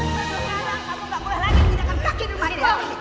sekarang aku nggak boleh lagi dihidangkan kaki